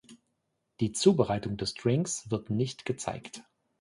Die Zubereitung des Drinks wird nicht gezeigt.